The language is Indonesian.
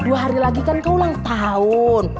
dua hari lagi kan kau ulang tahun